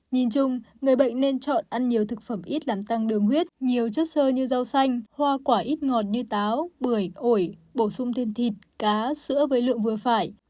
nhìn chung người bệnh nên chọn ăn nhiều thực phẩm ít làm tăng đường huyết nhiều chất sơ như rau xanh hoa quả ít ngọt như táo bưởi ổi bổ sung thêm thịt cá sữa với lượng vừa phải